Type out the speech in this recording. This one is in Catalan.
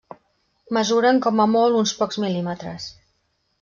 Mesuren com a molt uns pocs mil·límetres.